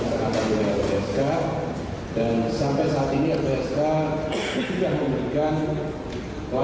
perlindungan itu tidak berubah